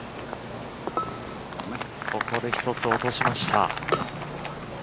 ここで１つ落としました。